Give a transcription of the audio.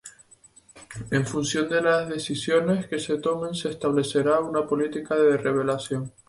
En función de las decisiones que se tomen se establecerá una política de revelación.